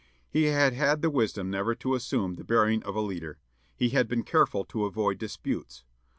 He had had the wisdom never to assume the bearing of a leader. He had been careful to avoid disputes.